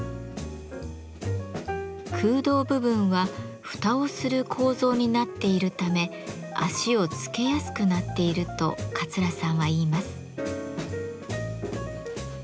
空洞部分は蓋をする構造になっているため脚を付けやすくなっていると桂さんは言います。